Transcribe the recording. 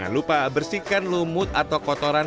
orang lain winery tidak bisa berhenti goreng